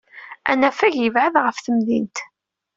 Anafag yebɛed ɣef temdint.